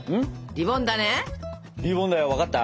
リボンだよ分かった？